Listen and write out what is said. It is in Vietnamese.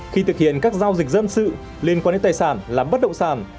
khi thực hiện các giao dịch dân sự liên quan đến tài sản làm bất động sản